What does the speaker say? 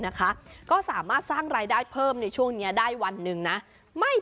นะคะก็สามารถสร้างรายได้เพิ่มในช่วงนี้ได้วันหนึ่งนะไม่